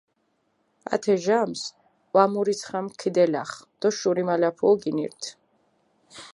ათე ჟამსჷ ჸვამურიცხამქ ქიდელახჷ დო შურიმალაფუო გინირთჷ.